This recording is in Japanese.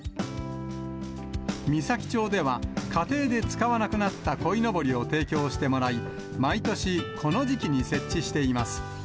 美咲町では、家庭で使わなくなったこいのぼりを提供してもらい、毎年、この時期に設置しています。